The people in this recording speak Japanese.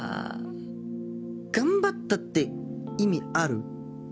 頑張ったって意味ある？